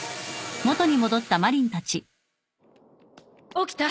起きた？